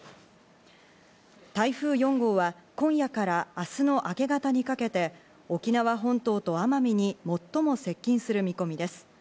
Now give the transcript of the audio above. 台風４号は今夜から明日の明け方にかけて、沖縄本島と奄美に最も接近する見込みです。